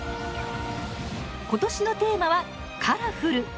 ことしのテーマは「カラフル」。